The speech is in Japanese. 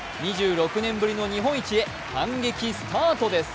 ２６年ぶりの日本一へ反撃スタートです。